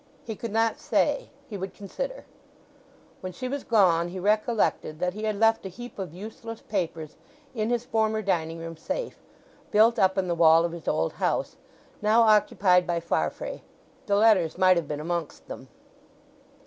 He could not say—he would consider. When she was gone he recollected that he had left a heap of useless papers in his former dining room safe—built up in the wall of his old house—now occupied by Farfrae. The letters might have been amongst them.